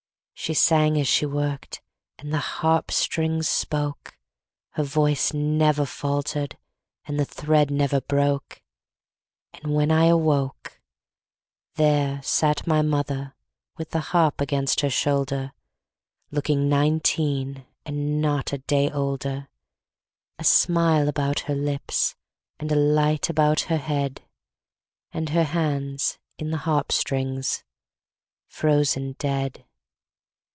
She sang as she worked, And the harp strings spoke; Her voice never faltered, And the thread never broke. And when I awoke,– There sat my mother With the harp against her shoulder Looking nineteen And not a day older, A smile about her lips, And a light about her head, And her hands in the harp strings Frozen dead.